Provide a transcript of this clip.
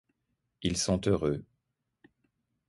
Ils sont heureux.